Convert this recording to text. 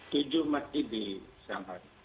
semua masjid di shanghai